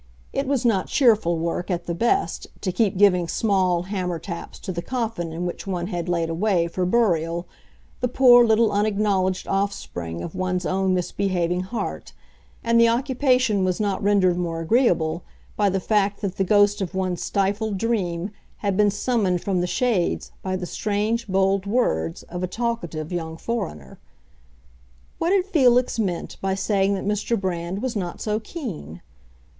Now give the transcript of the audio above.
It was not cheerful work, at the best, to keep giving small hammer taps to the coffin in which one had laid away, for burial, the poor little unacknowledged offspring of one's own misbehaving heart; and the occupation was not rendered more agreeable by the fact that the ghost of one's stifled dream had been summoned from the shades by the strange, bold words of a talkative young foreigner. What had Felix meant by saying that Mr. Brand was not so keen?